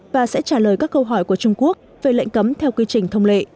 và sẽ trả lời các câu hỏi của trung quốc về lệnh cấm theo quy trình thông lệ